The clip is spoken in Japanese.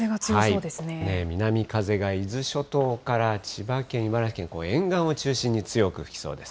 南風が伊豆諸島から千葉県、茨城県、沿岸を中心に強く吹きそうです。